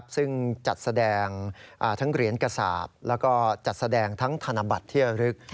ซึ่งจัดแสดงทั้งเหรียญกษาปแล้วก็จัดแสดงทั้งธนบัตรเที่ยวลึก